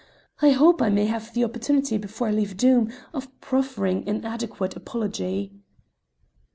I hope I may have the opportunity before I leave Doom of proffering an adequate apology."